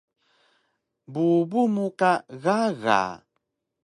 Bubu mu ka gaga